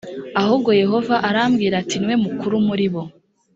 ahubwo yehova arambwira ati niwe mukuru muribo.